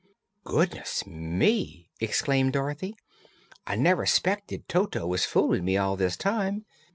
"Goodness me!" exclaimed Dorothy. "I never s'pected Toto was fooling me all this time."